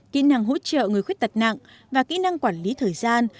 kỹ năng hỗ trợ người khuyết tật nặng và kỹ năng quản lý thời gian